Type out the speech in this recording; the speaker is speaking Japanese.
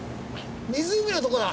湖のとこだ！